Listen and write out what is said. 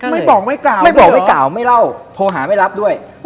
ไม่บอกไม่กล่าวไม่บอกไม่กล่าวไม่เล่าโทรหาไม่รับด้วย